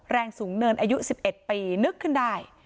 แรงสูงเนินอายุสิบเอ็ดปีนึกขึ้นได้